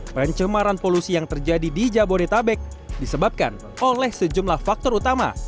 pencemaran polusi yang terjadi di jabodetabek disebabkan oleh sejumlah faktor utama